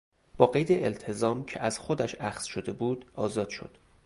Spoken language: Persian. با قید التزام که از خودش اخذ شده بود آزاد شد.